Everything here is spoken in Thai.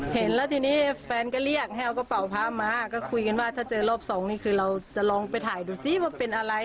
เห็นแล้วทีนี้แฟนก็เรียกให้เอากระเป๋าพระมาก็คุยกันว่าถ้าเจอรอบสองนี่คือเราจะลองไปถ่ายดูซิว่าเป็นอะไร